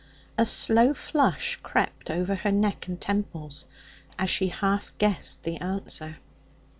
A slow flush crept over neck and temples as she half guessed the answer.